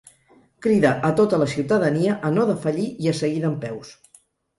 “Crida a tota la ciutadania a no defallir i a seguir dempeus”